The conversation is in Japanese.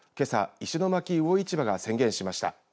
石巻魚市場が宣言しました。